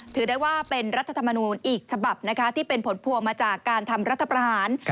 ถือได้ว่าเป็นรัฐธรรมนูญอีกฉบับนะคะที่เป็นผลพวงมาจากการทำรัฐประหาร